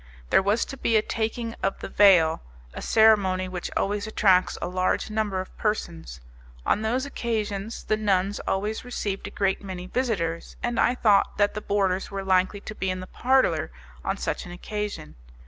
There was to be a taking of the veil a ceremony which always attracts a large number of persons. On those occasions the nuns always received a great many visitors, and I thought that the boarders were likely to be in the parlour on such an occasion.